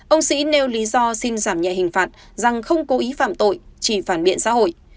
ông sĩ nêu lý do xin giảm nhẹ hình phạt rằng không cố ý phạm tội chỉ phản biện xã hội